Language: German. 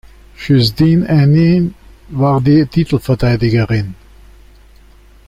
Justine Henin war die Titelverteidigerin.